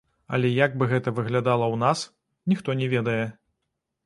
Але як бы гэта выглядала ў нас, ніхто не ведае.